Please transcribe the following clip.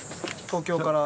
東京から。